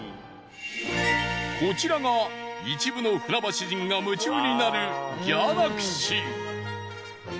こちらが一部の船橋人が夢中になるギャラクシー。